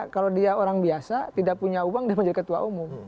kalau dia orang biasa tidak punya uang dia menjadi ketua umum